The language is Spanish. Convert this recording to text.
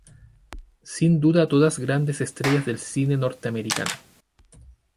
Sin duda todas grandes estrellas del cine norteamericano.